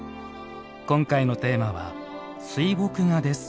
今回のテーマは「水墨画」です。